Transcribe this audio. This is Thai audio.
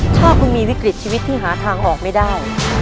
ถ้าคุณมีวิกฤตชีวิตที่หาทางออกไม่ได้